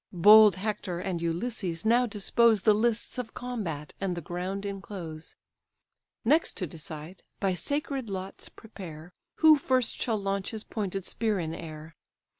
Bold Hector and Ulysses now dispose The lists of combat, and the ground inclose: Next to decide, by sacred lots prepare, Who first shall launch his pointed spear in air.